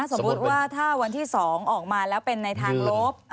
สมมุติว่าถ้าวันที่๒ออกมาแล้วเป็นในทางลบ